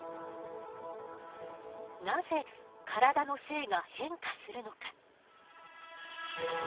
なぜ体の性が変化するのか？